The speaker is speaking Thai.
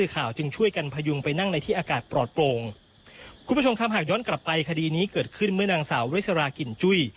คุณผู้ชมครับหากย้อนกลับไปคดีนี้เกิดขึ้นเมื่อนางสาวเรสรากินจุ้ย